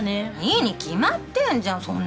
いいに決まってんじゃん。